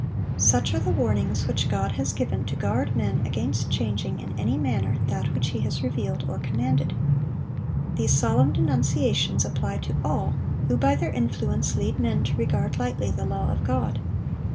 (391) Such are the warnings which God has given to guard men against changing in any manner that which He has revealed or commanded. These solemn denunciations apply to all who by their influence lead men to regard lightly the law of God.